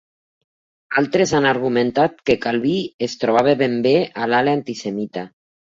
Altres han argumentat que Calví es trobava ben bé a l'ala antisemita.